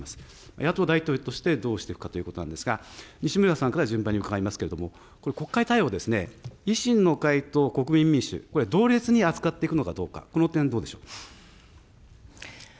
野党第１党としてどうしていくかということなんですが、西村さんから順番に伺いますけれども、これ、国会対応ですね、維新の会と国民民主、これ、同列に扱っていくのかどうか、この点、どうでしょう。